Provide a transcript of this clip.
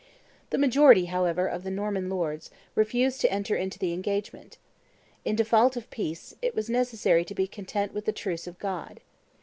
The majority, however, of the Norman lords, refused to enter into the engagement. In default of peace, it was necessary to be content with the truce of God.